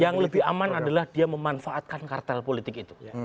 yang lebih aman adalah dia memanfaatkan kartel politik itu